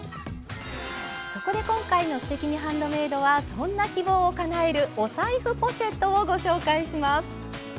そこで今回の「すてきにハンドメイド」はそんな希望をかなえるお財布ポシェットをご紹介します。